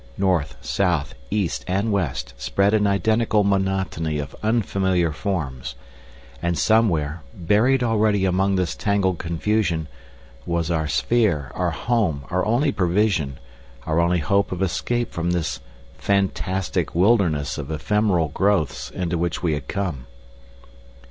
North, south, east, and west spread an identical monotony of unfamiliar forms. And somewhere, buried already among this tangled confusion, was our sphere, our home, our only provision, our only hope of escape from this fantastic wilderness of ephemeral growths into which we had come.